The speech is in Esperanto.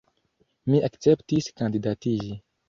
Mi akceptis kandidatiĝi.